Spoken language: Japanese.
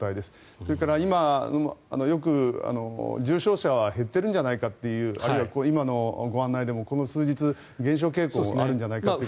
それから今、よく重症者は減っているんじゃないかあるいは今のご案内でもこの数日減少傾向にあるんじゃないかという。